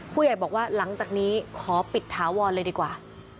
ผู้ใหญ่บอกว่าหลังจากนี้ขอปิดถาวรเลยดีกว่า